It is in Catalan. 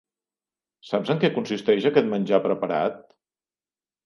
Saps en què consisteix aquest menjar preparat?